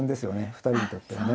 ２人にとってのね。